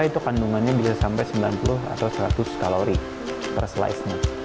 itu kandungannya bisa sampai sembilan puluh atau seratus kalori per slice nya